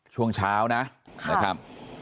ช่วงเช้านะครับ